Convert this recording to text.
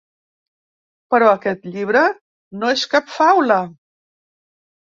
Però aquest llibre no és cap faula.